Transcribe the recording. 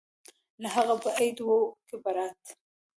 که هغه به عيد وو که ببرات.